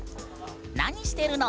何してるの？